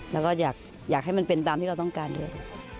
แล้วก็อยากให้มันเป็นตามที่เราต้องการด้วย